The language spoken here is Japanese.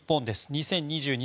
２０２２